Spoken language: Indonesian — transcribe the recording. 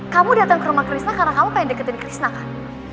kamu dateng ke rumah krishna karena kamu pengen deketin krishna kan